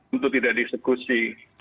untuk tidak di eksekusi